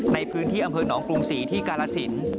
ในพื้นที่อำเภอหนองกรุงศรีที่กาลสิน